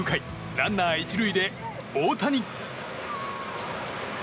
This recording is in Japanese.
ランナー１塁で、大谷。